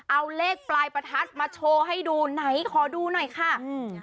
เอาเลขปลายประทัดมาโชว์ให้ดูไหนขอดูหน่อยค่ะอืม